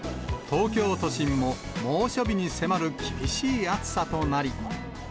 東京都心も猛暑日に迫る厳しい暑さとなり。